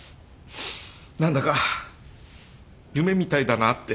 何だか夢みたいだなぁって。